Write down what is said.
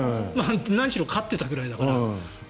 何しろ飼っていたぐらいだから。